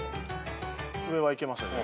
上はいけますよね